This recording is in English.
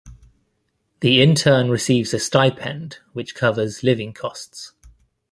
The intern receives a stipend which covers living costs.